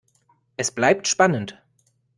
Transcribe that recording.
Es bleibt spannend.